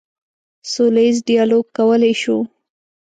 سوله ییز ډیالوګ کولی شو.